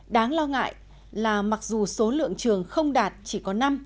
đáng lo ngại là mặc dù số lượng trường không đạt chỉ có năm